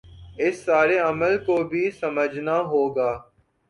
اس سارے عمل کو بھی سمجھنا ہو گا